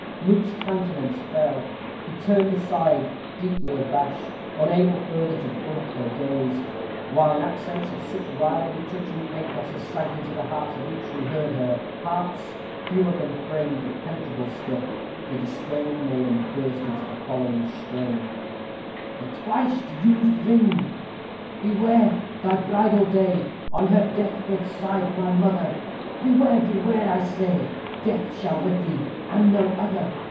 Luke's countenance fell. He turned aside, deeply abashed, unable further to brook her gaze; while in accents of such wildly touching pathos as sank into the hearts of each who heard her hearts, few of them framed of penetrable stuff the despairing maiden burst into the following strain: THE TWICE USED RING "Beware thy bridal day!" On her death bed sighed my mother; "Beware, beware, I say, Death shall wed thee, and no other.